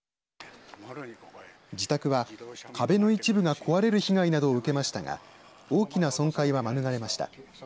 自宅の壁の一部が壊れる被害などを受けましたが大きな損壊はまぬがれました。